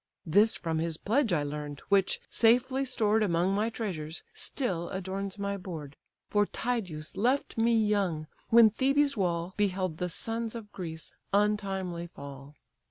(This from his pledge I learn'd, which, safely stored Among my treasures, still adorns my board: For Tydeus left me young, when Thebe's wall Beheld the sons of Greece untimely fall.)